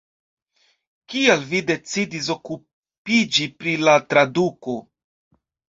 Kial vi decidis okupiĝi pri la traduko?